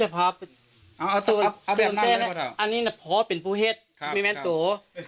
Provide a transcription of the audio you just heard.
อันนี้เดินพ่อเป็นผู้เฮ็ดไม่แม้ตัว